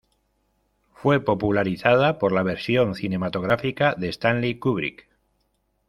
Fue popularizada por la versión cinematográfica de Stanley Kubrick.